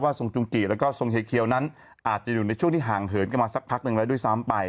ทรงจุงกิแล้วก็ทรงเฮเคียวนั้นอาจจะอยู่ในช่วงที่ห่างเหินกันมาสักพักหนึ่งแล้วด้วยซ้ำไป